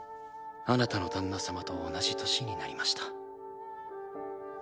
あなたの旦那様と同じ年になりました。